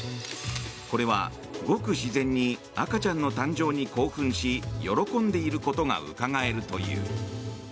これは、ごく自然に赤ちゃんの誕生に興奮し喜んでいることがうかがえるという。